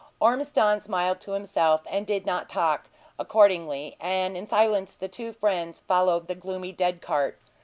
Ormiston smiled to himself, and did not talk, accordingly; and in silence the two friends followed the gloomy dead cart.